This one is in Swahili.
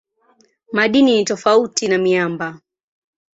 Madini ni tofauti na miamba.